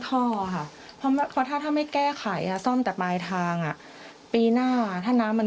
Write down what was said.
ท่อค่ะเพราะถ้าถ้าไม่แก้ไขอ่ะซ่อมแต่ปลายทางอ่ะปีหน้าถ้าน้ำมัน